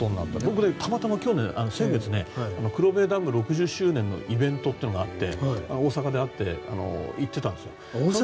僕、たまたま先月黒部ダム６０周年のイベントが大阪であって行ってたんですよ。